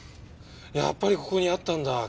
やっぱりここにあったんだ。